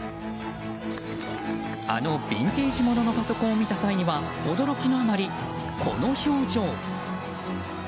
あのビンテージもののパソコンを見た際には驚きのあまり、この表情。